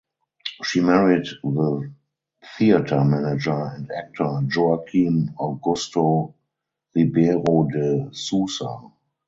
She married the theatre manager and actor Joaquim Augusto Ribeiro de Sousa.